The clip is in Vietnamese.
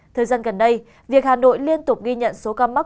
thời gian gần đây việc hà nội liên tục ghi nhận số ca mắc